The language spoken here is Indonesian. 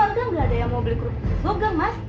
tapi kan warga nggak ada yang mau beli kerupuk sugong mas